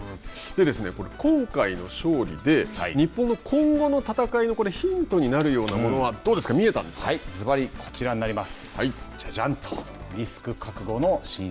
今回の勝利で日本の今後の戦いのヒントになるようなものはどうですかずばり、こちらになります。